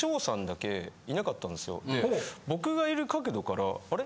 僕がいる角度からあれ？